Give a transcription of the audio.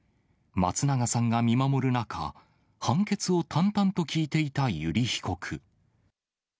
松永さんが見守る中、判決を淡々と聞いていた油利被告。